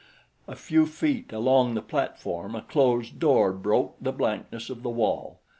A few feet along the platform a closed door broke the blankness of the wall.